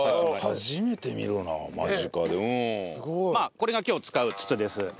これが今日使う筒です。